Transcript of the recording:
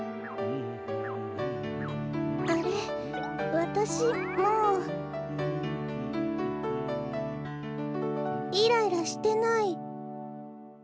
わたしもうイライラしてない。